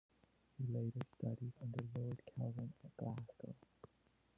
He later studied under Lord Kelvin at Glasgow.